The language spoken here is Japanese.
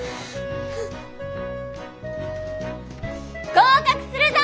合格するぞ！